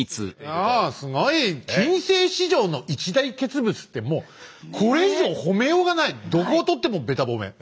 ああすごい「近世史上の一大傑物」ってもうこれ以上褒めようがないどこを取ってもべた褒め。